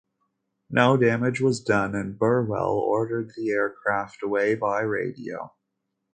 No damage was done and "Burwell" ordered the aircraft away by radio.